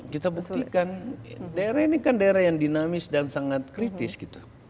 kita buktikan daerah ini kan daerah yang dinamis dan sangat kritis gitu